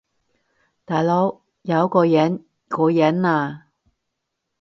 大佬，有個影！個影呀！